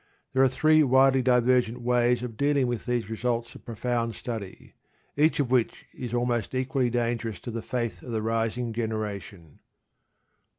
There are three widely divergent ways of dealing with these results of profound study, each of which is almost equally dangerous to the faith of the rising generation.